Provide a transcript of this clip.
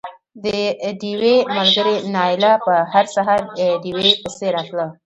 د ډېوې ملګرې نايله به هر سهار ډېوې پسې راتله